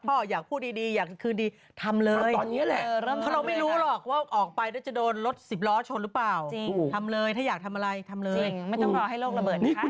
นางคิดแบบว่าไม่ไหวแล้วไปกด